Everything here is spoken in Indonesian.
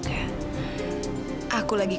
aku lagi kepusingan gimana beli sama orang lainnya ya